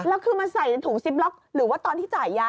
แล้วคือมาใส่ในถุงซิปล็อกหรือว่าตอนที่จ่ายยา